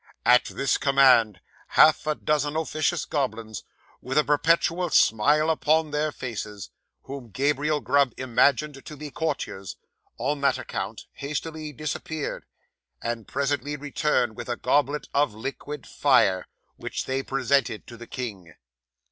'At this command, half a dozen officious goblins, with a perpetual smile upon their faces, whom Gabriel Grub imagined to be courtiers, on that account, hastily disappeared, and presently returned with a goblet of liquid fire, which they presented to the king.